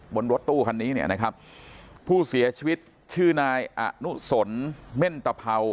บนรถตู้คันนี้เนี่ยนะครับผู้เสียชีวิตชื่อนายอนุสนเม่นตะเภา